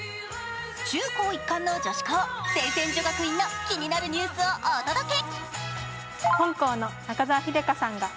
中高一貫の女子校、清泉女学院の気になるニュースをお届け。